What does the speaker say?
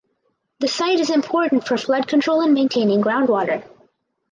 The site is important for flood control and maintaining ground water.